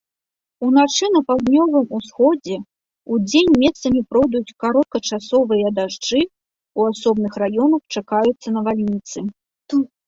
Уначы на паўднёвым усходзе, удзень месцамі пройдуць кароткачасовыя дажджы, у асобных раёнах чакаюцца навальніцы.